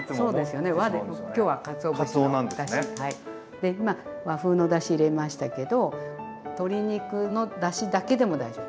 で今和風のだし入れましたけど鶏肉のだしだけでも大丈夫。